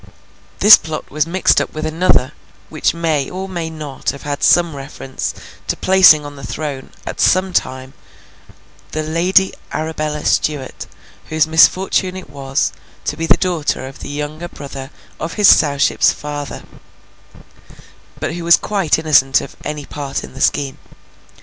This plot was mixed up with another, which may or may not have had some reference to placing on the throne, at some time, the Lady Arabella Stuart; whose misfortune it was, to be the daughter of the younger brother of his Sowship's father, but who was quite innocent of any part in the scheme.